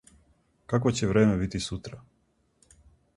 Какво ће време бити сутра?